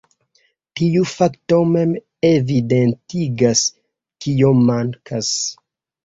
Tiu fakto mem evidentigas, kio mankas.